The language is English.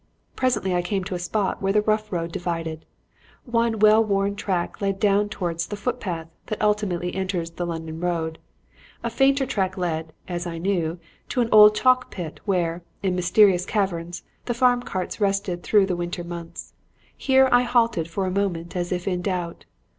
"Presently I came to a spot where the rough road divided. One well worn track led down towards the footpath that ultimately enters the London Road; a fainter track led, as I knew, to an old chalk pit where, in mysterious caverns, the farm carts rested through the winter months. Here I halted for a moment as if in doubt.